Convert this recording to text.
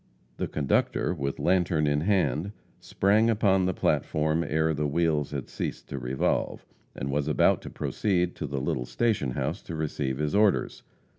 The conductor, with lantern in hand, sprang upon the platform ere the wheels had ceased to revolve, and was about to proceed to the little station house to receive his orders.